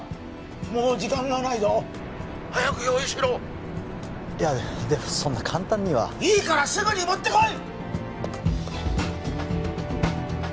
もう時間がないぞ☎早く用意しろでもそんな簡単にはいいからすぐに持ってこい！